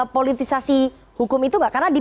politisasi hukum itu nggak karena di